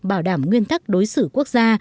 bảo đảm nguyên tắc đối xử quốc gia